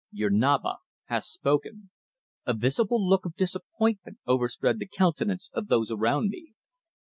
Your Naba hath spoken." A visible look of disappointment overspread the countenances of those around me.